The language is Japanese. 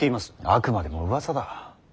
あくまでもうわさだ。